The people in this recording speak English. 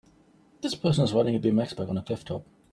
This person is riding a BMX bike on a clifftop.